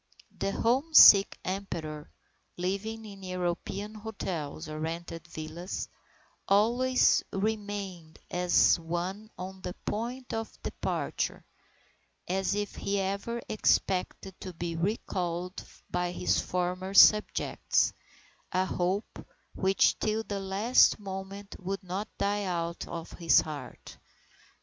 The homesick Emperor, living in European hotels or rented villas, "always remained as one on the point of departure, as if he ever expected to be recalled by his former subjects, a hope which till the last moment would not die out of his heart."